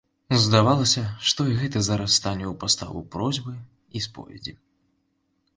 Здавалася, што і гэты зараз стане ў паставу просьбы і споведзі.